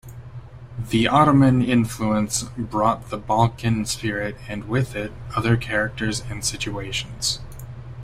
The Ottoman influence brought the Balkan spirit and with it, other characters and situations.